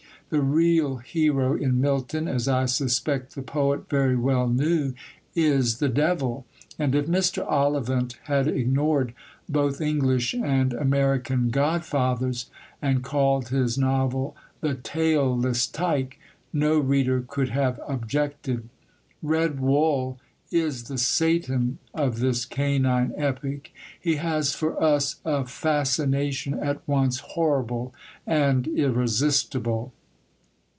The real hero in Milton, as I suspect the poet very well knew, is the Devil; and if Mr. Ollivant had ignored both English and American godfathers, and called his novel The Tailless Tyke, no reader could have objected. Red Wull is the Satan of this canine epic; he has for us a fascination at once horrible and irresistible.